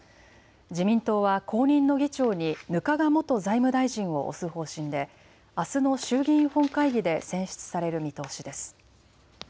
自民党は後任の議長に額賀元財務大臣を推す方針であすの衆議院本会議で選出される見通しです。